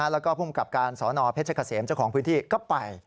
แล้วก็ภูมิกับการสนเพชรเกษมเจ้าของพื้นที่ก็ไป